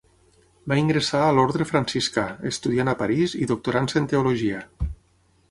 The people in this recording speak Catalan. Va ingressar a l'orde franciscà, estudiant a Paris i doctorant-se en teologia.